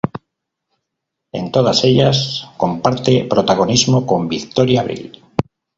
En todas ellas comparte protagonismo con Victoria Abril.